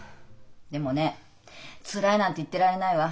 でもね「つらい」なんて言ってられないわ。